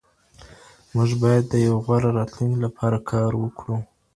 موږ باید د یوه غوره راتلونکي لپاره کار وکړو.